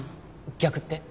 逆って？